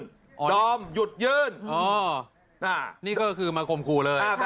ยุดยื่นดอมหยุดยื่นนี่ก็คือมาคมคู่เลย